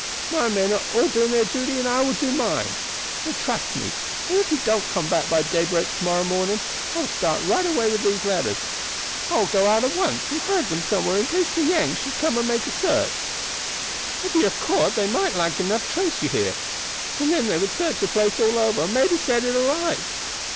My men are all doing their duty, and I will do mine. So trust me, and if you don't come back by daybreak to morrow morning, I will start right away with these letters. I will go out at once and hide them somewhere in case the Yanks should come and make a search. If you are caught they might, like enough, trace you here, and then they would search the place all over and maybe set it alight.